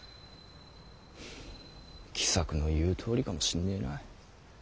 喜作の言うとおりかもしんねぇな。